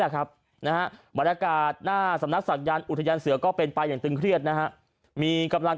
ครับนะฮะบรรยากาศหน้าสำนักศักยันต์อุทยานเสือก็เป็นไปอย่างตึงเครียดนะฮะมีกำลัง